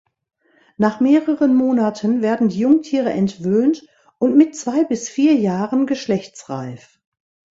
Nach mehreren Monaten werden die Jungtiere entwöhnt und mit zwei bis vier Jahren geschlechtsreif.